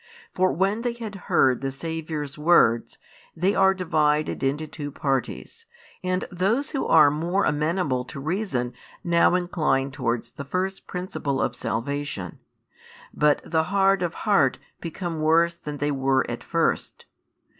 For when they had heard the Saviour's words, they are divided into two parties, and those who are more amenable to reason now incline towards the first principle of salvation, but the hard of heart become worse than they were at first.